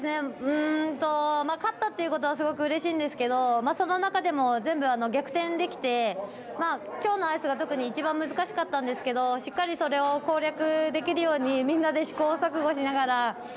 勝ったということはすごくうれしいんですけどその中でも全部、逆転できて今日のアイスが特に一番難しかったんですがしっかりそれを攻略できるようにみんなで試行錯誤しながら。